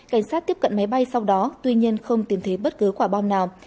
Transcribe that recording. cảnh sát tiếp cận máy bay sau đó tuy nhiên không tìm thấy bất cứ quả bom nào